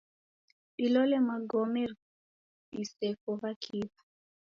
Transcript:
Dilole magome disefo w'akiw'a.